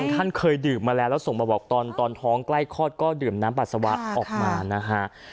ท่านเคยดื่มมาแล้วแล้วส่งมาบอกตอนท้องใกล้คลอดก็ดื่มน้ำปัสสาวะออกมานะฮะ